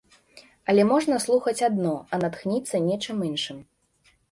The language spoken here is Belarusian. Але можна слухаць адно, а натхніцца нечым іншым.